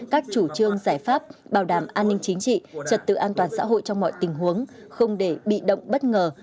các chủ trương giải pháp bảo đảm an ninh chính trị trật tự an toàn xã hội trong mọi tình huống không để bị động bất ngờ